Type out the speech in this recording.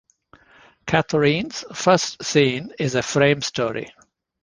Catherine's first scene is a frame story.